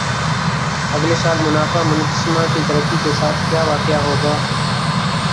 اگلے سال منافع منقسمہ کی ترقی کے ساتھ کِیا واقع ہو گا